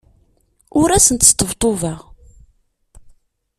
Ur asen-sṭebṭubeɣ.